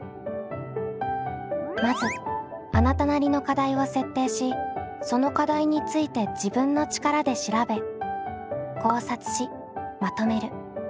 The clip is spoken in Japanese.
まずあなたなりの課題を設定しその課題について自分の力で調べ考察しまとめる。